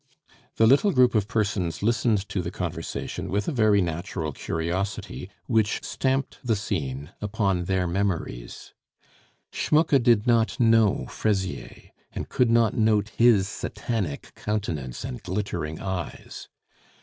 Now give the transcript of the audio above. The little group of persons listened to the conversation with a very natural curiosity, which stamped the scene upon their memories. Schmucke did not know Fraisier, and could not note his satanic countenance and glittering eyes.